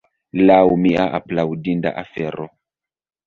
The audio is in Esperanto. Lau mi aplaudinda afero.